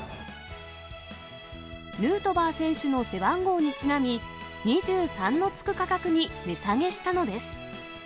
ヌートバー選手の背番号にちなみ、２３のつく価格に値下げしたのです。